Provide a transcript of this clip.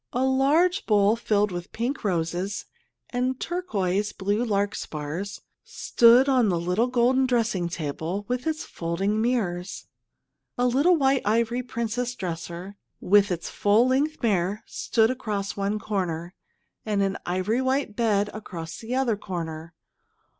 A large bowl, filled with pink roses and turquoise blue larkspurs, stood on the little golden dressing table with its folding mirrors. A little ivory white princess dresser, with its full length mirror, stood across one corner, and an ivory white bed across the other corner.